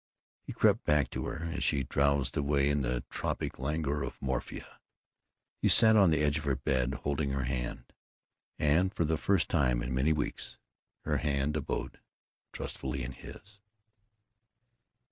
He crept back to her. As she drowsed away in the tropic languor of morphia, he sat on the edge of her bed, holding her hand, and for the first time in many weeks her hand abode trustfully in his.